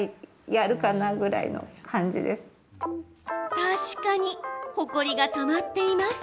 確かに、ほこりがたまっています。